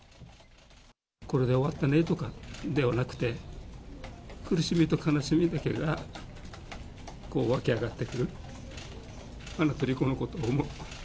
これで終わったねとかではなく、苦しみと悲しみだけが湧き上がってくる。